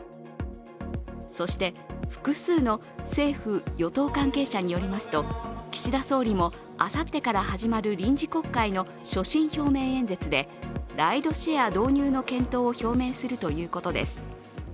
そして複数の政府・与党関係者によりますと、岸田総理もあさってから始まる臨時国会の所信表明演説で、ライドシェア導入の検討を表明するということです。